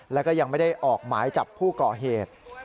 แล้วก็ยังไม่ได้ออกหมายจับผู้ก่อเหตุ